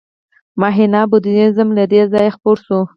مهایانا بودیزم له دې ځایه خپور شو